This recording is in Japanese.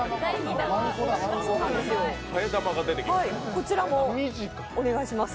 こちらもお願いします。